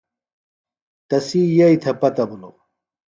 تسی یئییۡ تھےۡ پتہ بِھلوۡ۔